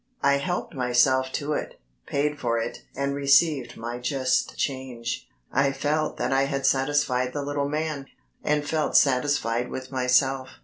I helped myself to it, paid for it, and received my just change. I felt that I had satisfied the little man, and felt satisfied with myself.